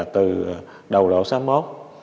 từ đầu độ sáu mươi một